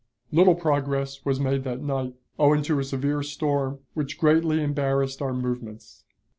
Little progress was made that night, owing to a severe storm, which greatly embarrassed our movements.